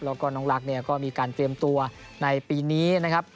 แล้วก็น้องรักเนี่ยก็มีการเตรียมตัวในปีนี้นะครับ